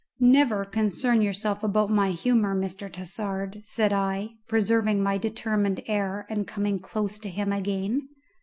"Never concern yourself about my humour, Mr. Tassard," said I, preserving my determined air and coming close to him again.